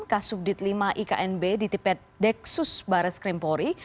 kasus dit lima iknb di tipe deksus barres krimpori